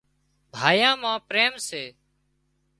ڀائيان مان پريم سي